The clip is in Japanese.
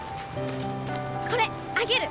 これあげる！